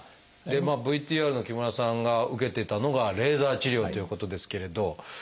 ＶＴＲの木村さんが受けてたのがレーザー治療ということですけれど。